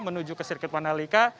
menuju ke sirkuit wanalika